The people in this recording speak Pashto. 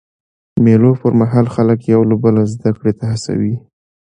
د مېلو پر مهال خلک یو له بله زدهکړي ته هڅوي.